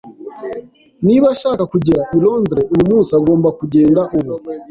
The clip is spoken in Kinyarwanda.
Niba ashaka kugera i Londres uyu munsi, agomba kugenda ubu.